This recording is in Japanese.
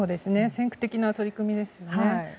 先駆的な取り組みですよね。